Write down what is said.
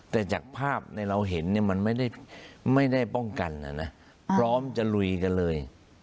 แต่จากภาพในเราเห็นเนี่ยมันไม่ได้ป้องกันนะนะพร้อมจะลุยกันเลย